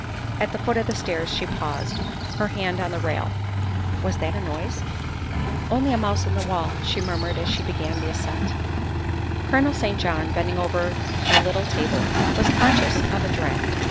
At the foot of the stairs she paused, her hand on the rail. Was that a noise? 160 THE WIFE OF " Only a mouse in the wall," she murmured as she began the ascent. Colonel St. John, bending over the little table, was conscious of a draught.